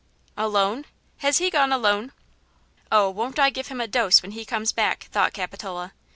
"Alone? Has he gone alone? Oh, won't I give him a dose when he comes back," thought Capitola.